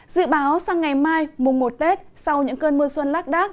dự báo sang ngày mai mùng một tết sau những cơn mưa xuân lắc đác